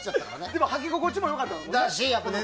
でも履き心地も良かったんですよね。